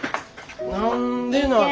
何でなら。